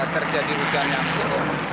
terjadi hujan yang